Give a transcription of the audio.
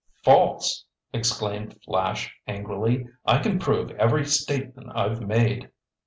"False!" exclaimed Flash angrily. "I can prove every statement I've made!"